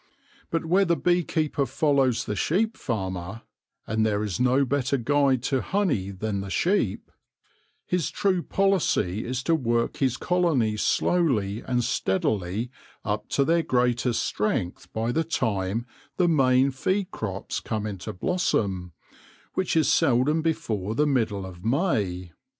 But where the bee keeper follows the sheep farmer — and there is no better guide to honey than the sheep — his true policy is to work his colonies slowly and steadily up to their greatest strength by the time the main feed crops come into blossom, which is seldom before the middle of May.